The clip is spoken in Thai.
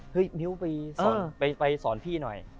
มิ้วไปสอนพี่หน่อย